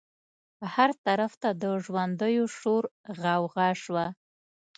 هر طرف ته د ژوندیو شور غوغا شوه.